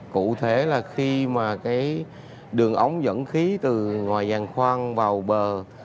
cụ thể là khi mà cái đường ống dẫn khí từ ngoài giàn khoang vào bờ